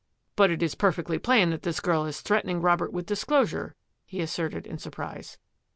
^^ But it is perfectly plain that this girl is threatening Robert with disclosure," he asserted in surprise.